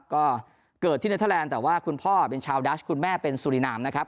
ก็เกิดที่เนเทอร์แลนด์แต่ว่าคุณพ่อเป็นชาวดัชคุณแม่เป็นสุรินามนะครับ